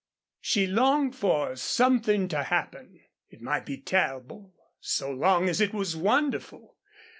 She longed for something to happen. It might be terrible, so long as it was wonderful.